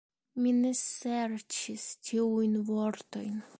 Mi ne serĉis tiujn vortojn.